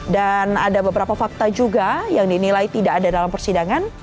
dan ada beberapa fakta juga yang dinilai tidak ada dalam persidangan